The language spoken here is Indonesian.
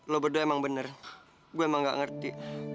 lo betul emang bener gue emang nggak ngerti